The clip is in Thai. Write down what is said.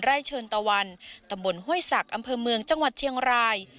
เชิญตะวันตำบลห้วยศักดิ์อำเภอเมืองจังหวัดเชียงราย